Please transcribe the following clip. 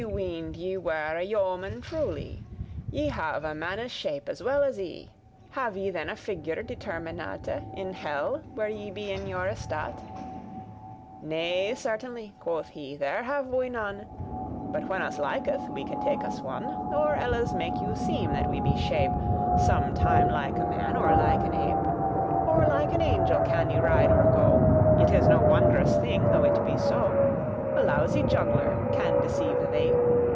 I weened ye were a yeoman truly. *thought Ye have a manne's shape as well as I Have ye then a figure determinate In helle, where ye be in your estate?"* *at home "Nay, certainly," quoth he, there have we none, But when us liketh we can take us one, Or elles make you seem* that we be shape *believe Sometime like a man, or like an ape; Or like an angel can I ride or go; It is no wondrous thing though it be so, A lousy juggler can deceive thee.